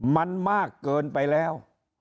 มันมากเกินไปแล้ว